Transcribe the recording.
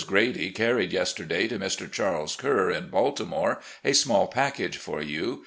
Grady carried yesterday to Mr. Charles Kerr, in Baltimore, a small package for you.